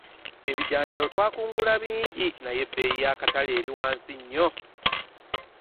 Ebijanjaalo twakungula bingi naye ebbeyi y'akatale eri wansi nnyo.